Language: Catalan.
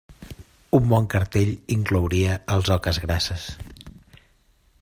Un bon cartell inclouria els Oques Grasses.